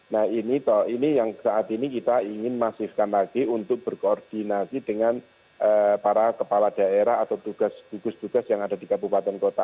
nah ini toh ini yang saat ini kita ingin masifkan lagi untuk berkoordinasi dengan para kepala daerah atau tugas gugus tugas yang ada di kabupaten kota